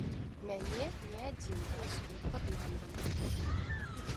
Мяне не адзін раз тут падманвалі.